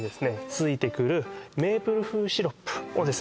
ついてくるメープル風シロップをですね